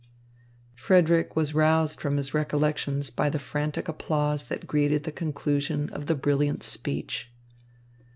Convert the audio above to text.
Frederick was roused from his recollections by the frantic applause that greeted the conclusion of the brilliant speech.